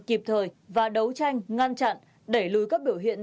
kịp thời và đấu tranh ngăn chặn đẩy lùi các biểu hiện